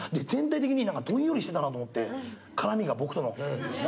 全体的になんかどんよりしてたなと思って絡みが僕との。